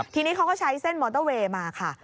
ทีนี้เขาก็ใช้เส้นมอเตอร์เวย์มาค่ะ